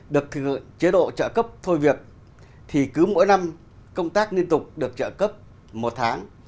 được chế độ trợ cấp thôi việc thì cứ mỗi năm công tác liên tục được trợ cấp một tháng